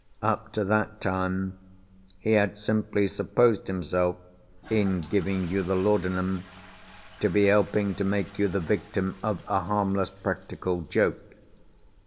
Up to that time, he had simply supposed himself (in giving you the laudanum) to be helping to make you the victim of a harmless practical joke.